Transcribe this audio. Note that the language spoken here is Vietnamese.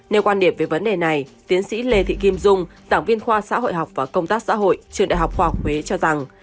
nếu quan điểm về vấn đề này tiến sĩ lê thị kim dung giảng viên khoa xã hội học và công tác xã hội trường đại học khoa học huế cho rằng